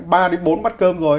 ba đến bốn bắt cơm rồi